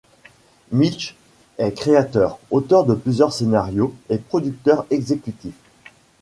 Milch est créateur, auteur de plusieurs scénarios, et producteur exécutif.